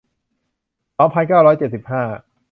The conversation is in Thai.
สองพันเก้าร้อยเจ็ดสิบห้า